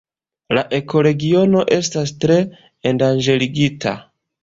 La ekoregiono estas tre endanĝerigita.